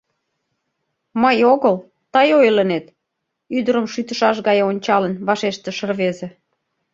— Мый огыл, тый ойлынет! — ӱдырым шӱтышаш гае ончалын, вашештыш рвезе.